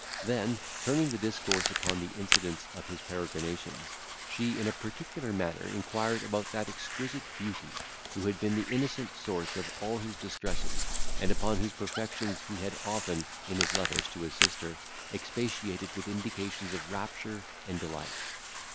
Then turning the discourse upon the incidents of his peregrinations, she in a particular manner inquired about that exquisite beauty who had been the innocent source of all his distresses, and upon whose perfections he had often, in his letters to his sister, expatiated with indications of rapture and delight.